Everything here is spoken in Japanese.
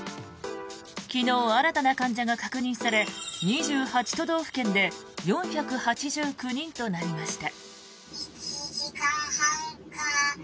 昨日、新たな患者が確認され２８都道府県で４８９人となりました。